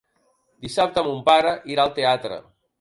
Dissabte mon pare irà al teatre.